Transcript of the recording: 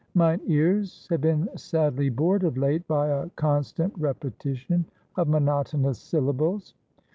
"Mine ears have been sadly bored of late by a con stant repetition of monotonous syllables.